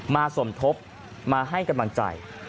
สมทบมาให้กำลังใจ